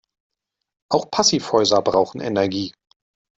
Auch Passivhäuser brauchen Energie.